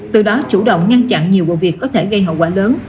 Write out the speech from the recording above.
từ đó chủ động ngăn chặn nhiều vụ việc có thể gây hậu quả lớn